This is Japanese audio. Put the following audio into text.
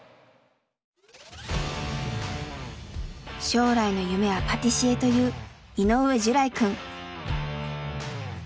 将来の夢はパティシエという井上樹来くん。